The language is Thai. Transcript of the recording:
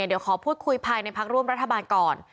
เดี๋ยวขอพูดคุยภายในพักร่วมรัฐบาลก่อน